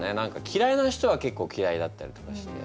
きらいな人は結構きらいだったりとかして。